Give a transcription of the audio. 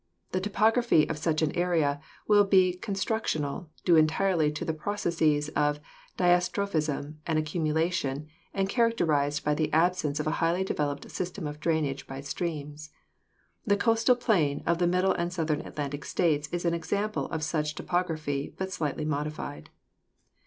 The topog raphy of such an area will be constructional, due entirely to the processes of diastrophism and accumulation and characterized by the absence of a highly developed system of drainage by streams. The coastal plain of the middle and southern Atlantic States is an example of such topography but slightly modified.